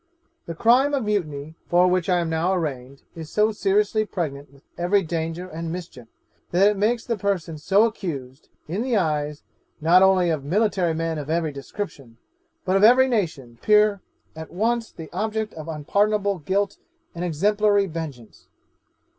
'The crime of mutiny, for which I am now arraigned, is so seriously pregnant with every danger and mischief, that it makes the person so accused, in the eyes, not only of military men of every description, but of every nation, appear at once the object of unpardonable guilt and exemplary vengeance.